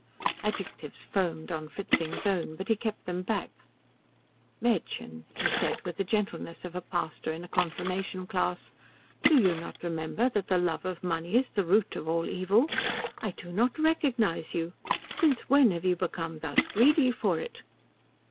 Adjectives foamed on Fritzing's own, but he kept them back. "Mädchen," he said with the gentleness of a pastor in a confirmation class, "do you not remember that the love of money is the root of all evil? I do not recognize you. Since when have you become thus greedy for it?"